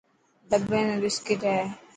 ڏٻي ۾ بسڪٽ هي.